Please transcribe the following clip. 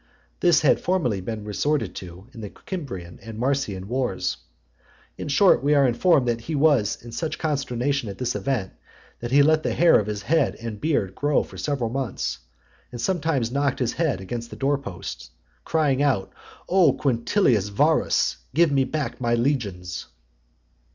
This had formerly been resorted to in the Cimbrian and Marsian wars. In short, we are informed that he was in such consternation at this event, that he let the hair of his head and beard grow for several months, and sometimes knocked his head against the door posts, crying out, "O, Quintilius Varus! Give me back my legions!"